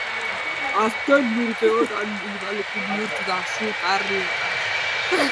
Azken urteotan udaleku bihurtu da Sukarrieta.